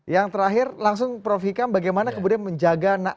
yang terakhir langsung prof hikam bagaimana kemudian menjaga maruah nu ini